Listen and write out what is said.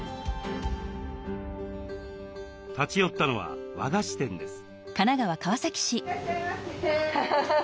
立ち寄ったのは和菓子店です。